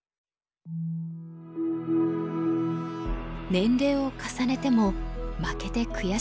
年齢を重ねても負けて悔しがる勝負師